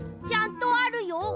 ちゃんとあるよ。